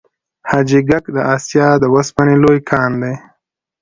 حاجي ګک د اسیا د وسپنې لوی کان دی